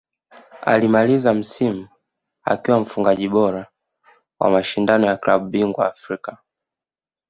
Alimaliza msimu akiwa mfungaji bora wa mashindano ya klabu bingwa Afrika